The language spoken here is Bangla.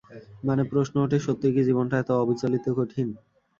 মনে প্রশ্ন ওঠে, সত্যই কি জীবনটা এত অবিচলিত কঠিন।